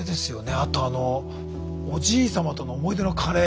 あとあのおじい様との思い出のカレー。